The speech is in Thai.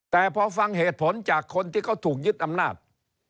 แต่พอฟังเหตุผลจากคนที่เขาถูกยึดอำนาจ